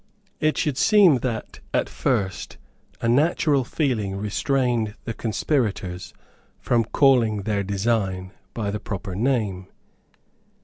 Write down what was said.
It should seem that, at first, a natural feeling restrained the conspirators from calling their design by the proper name.